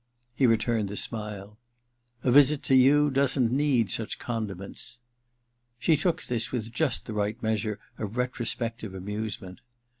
* He returned the smile. *A visit to you doesn't need such condiments.' She took this with just the right measure of retrospective amusement.